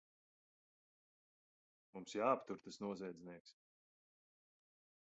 Mums jāaptur tas noziedznieks!